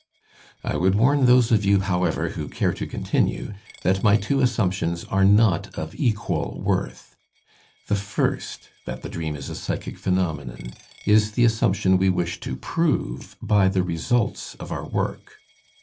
I would warn those of you, however, who care to continue, that my two assumptions are not of equal worth. The first, that the dream is a psychic phenomenon, is the assumption we wish to prove by the results of our work.